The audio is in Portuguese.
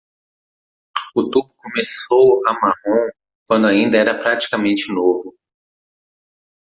O tubo começou a marrom quando ainda era praticamente novo.